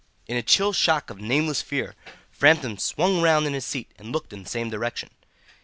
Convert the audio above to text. In a chill shock of nameless fear Framton swung round in his seat and looked in the same direction.